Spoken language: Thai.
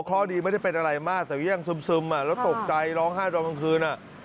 เพราะดีไม่ได้เป็นอะไรมากแต่ก็ยังซึมแล้วตกใจร้องไห้ตอนกลางคืน